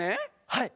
はい！